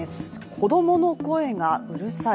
「子供の声がうるさい」。